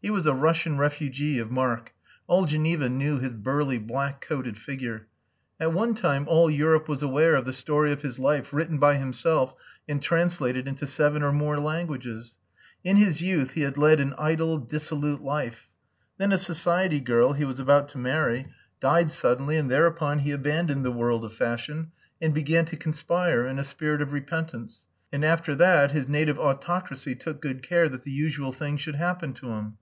He was a Russian refugee of mark. All Geneva knew his burly black coated figure. At one time all Europe was aware of the story of his life written by himself and translated into seven or more languages. In his youth he had led an idle, dissolute life. Then a society girl he was about to marry died suddenly and thereupon he abandoned the world of fashion, and began to conspire in a spirit of repentance, and, after that, his native autocracy took good care that the usual things should happen to him.